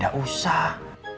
ya gak usah